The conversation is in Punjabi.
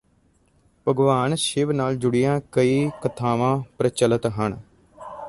ਭਗਵਾਨ ਸ਼ਿਵ ਨਾਲ ਜੁੜੀਆਂ ਕਈ ਕਥਾਵਾਂ ਪ੍ਰਚਲਿਤ ਹਨ